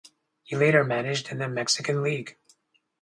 He later managed in the Mexican League.